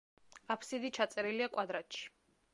აფსიდი ჩაწერილია კვადრატში.